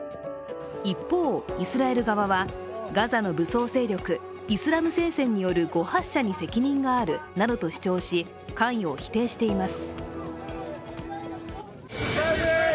一方、イスラエル側はガザの武装勢力イスラム聖戦による誤発射に責任があるなどと主張し関与を否定しています。